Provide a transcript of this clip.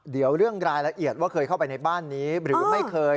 เดี๋ยวเรื่องรายละเอียดว่าเคยเข้าไปในบ้านนี้หรือไม่เคย